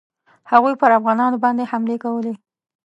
هغوی پر افغانانو باندي حملې کولې.